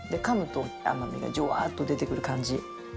爐甘みがジュワッと出てくる感じ。